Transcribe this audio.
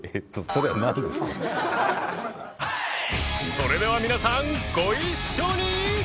それでは皆さんご一緒に！